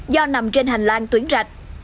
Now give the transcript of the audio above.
do nằm trên hành lang tuyến rạch